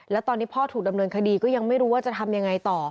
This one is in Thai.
แล้วตอนนี้พ่อถูกดำเนินคดีก็ยังไม่รู้ว่าจะทำยังไงต่อ